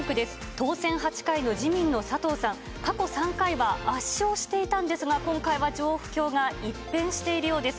当選８回の自民の佐藤さん、過去３回は圧勝していたんですが、今回は状況が一変しているようです。